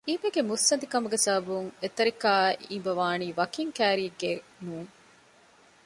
އިނބަގެ މުއްސަނދި ކަމުގެ ސަބަބުން އެތަރިތަކާ އިނބަވަނީ ވަކިން ކައިރިއެއްގައެއް ނޫން